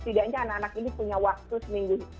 setidaknya anak anak ini punya waktu seminggu